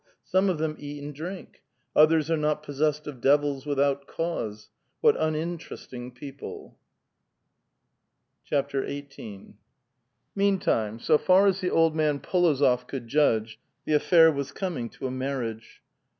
Some of them eat and drink ; others are not possessed of devils with out cause ; what uninteresting people ! XVIII. Meantime, so far as the old man P61ozof could judge, the affair was coming to a marriage.